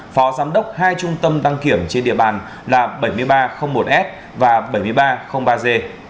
phó giám đốc hai trung tâm đăng kiểm trên địa bàn là bảy nghìn ba trăm linh một s và bảy nghìn ba trăm linh ba g